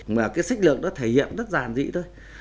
mà cái sách lược nó thể hiện rất dàn dị thôi